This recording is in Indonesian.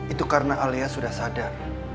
itu karena alias sudah sadar